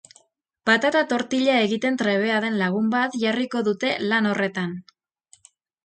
Patata-tortilla egiten trebea den lagun bat jarriko dute lan horretan.